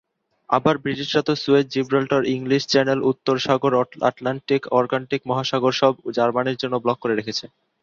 আবার ব্রিটিশরা তো সুয়েজ-জিব্রাল্টার-ইংলিশ চ্যানেল-উত্তর সাগর-আটলান্টিক-আর্কটিক মহানগর সব জার্মানির জন্যে ব্লক করে রেখেছে।